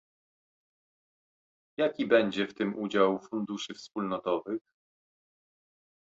Jaki będzie w tym udział funduszy wspólnotowych?